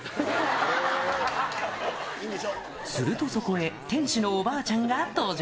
すると、そこへ店主のおばあちゃんが登場。